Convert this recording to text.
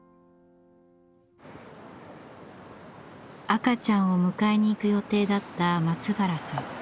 赤ちゃんを迎えに行く予定だった松原さん。